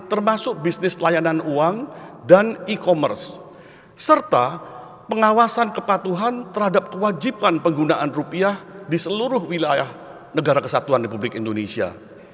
termasuk bisnis layanan uang dan e commerce serta pengawasan kepatuhan terhadap kewajiban penggunaan rupiah di seluruh wilayah negara kesatuan republik indonesia